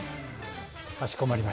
かしこまりました。